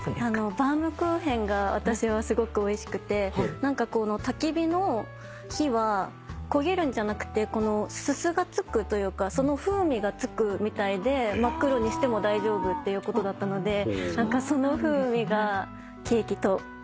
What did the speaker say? バウムクーヘンが私はすごくおいしくて何かたき火の火は焦げるんじゃなくてすすがつくというかその風味がつくみたいで真っ黒にしても大丈夫っていうことだったのでその風味がケーキとすごくマッチしていておいしかったです。